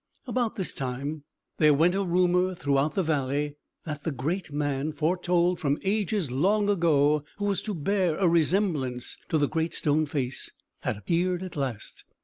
About this time, there went a rumour throughout the valley, that the great man, foretold from ages long ago, who was to bear a resemblance to the Great Stone Face, had appeared at last.